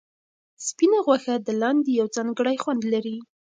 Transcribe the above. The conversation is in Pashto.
سپینه غوښه د لاندي یو ځانګړی خوند لري.